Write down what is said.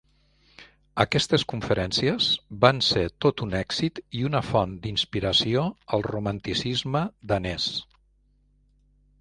Aquestes conferències van ser tot un èxit i una font d'inspiració al Romanticisme danès.